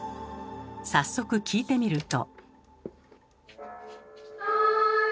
早速聴いてみると。